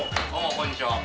こんにちは。